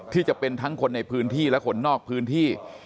ที่จะเป็นทั้งคนในพื้นที่และคนนอกพื้นที่